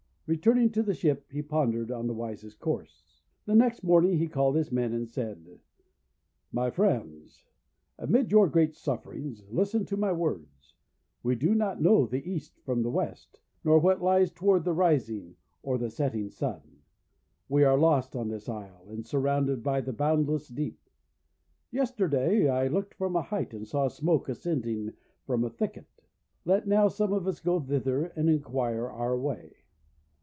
Returning to the ship, he pondered on the wisest course. The next morning he called his men, and said :— ''My friends, amid your great sufferings listen to my words. We do not know the East from the West, nor what lies toward the rising or the setting Sun. We are lost on this isle, and sur rounded by the boundless deep. Yesterday, I looked from a height, and saw smoke ascending from a thicket. Let now some of us go thither and inquire our way."